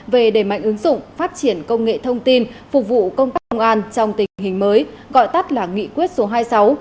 về đề mạnh ứng dụng phát triển công nghệ thông tin phục vụ công tác công an trong tình hình mới gọi tắt là nghị quyết số hai mươi sáu